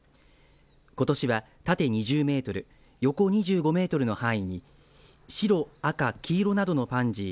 ことしは縦２０メートル横２５メートルの範囲に白、赤、黄色などのパンジー